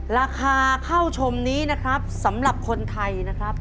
ราคาเข้าชมนี้นะครับสำหรับคนไทยนะครับ